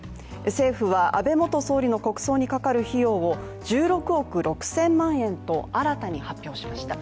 政府は安倍元総理の国葬にかかる費用を１６億６０００万円と新たに発表しました。